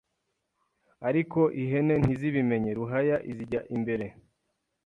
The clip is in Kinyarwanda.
ariko ihene ntizibimenye Ruhaya izijya imbere